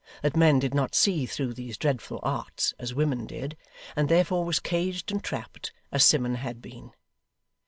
That men did not see through these dreadful arts as women did, and therefore was caged and trapped, as Simmun had been.